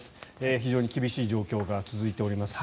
非常に厳しい状況が続いております。